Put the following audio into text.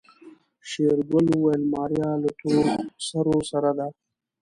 شېرګل وويل ماريا له تورسرو سره ده.